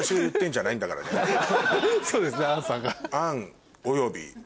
そうですね杏さんが。